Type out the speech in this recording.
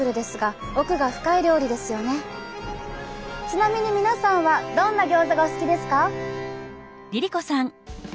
ちなみに皆さんはどんなギョーザがお好きですか？